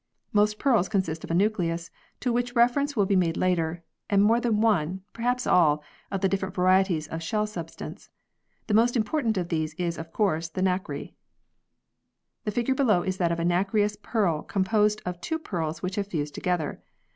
Most pearls consist of a nucleus, to which reference will be made later, and more than one, perhaps all, of the different varieties of shell substance. The most important of these is of course the nacre. The figure below is that of a nacreous pearl com posed of two pearls which have fused together.